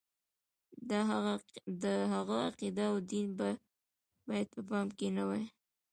د هغه عقیده او دین باید په پام کې نه وي.